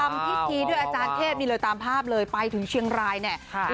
ทำพิธีด้วยอาจารย์เทพนี่เลยตามภาพเลยไปถึงเชียงรายเนี่ย